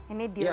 ini delay nya